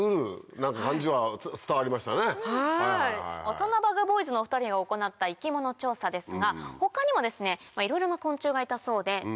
そんなＢｕｇＢｏｙｓのお２人が行った生き物調査ですが他にもですねいろいろな昆虫がいたそうで。